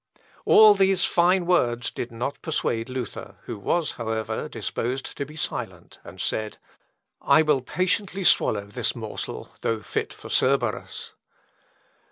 All these fine words did not persuade Luther, who was, however, disposed to be silent, and said, "I will patiently swallow this morsel, though fit for Cerberus."